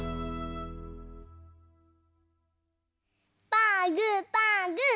パーグーパーグー。